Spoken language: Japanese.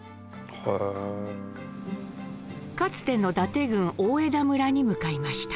かつての伊達郡大條村に向かいました。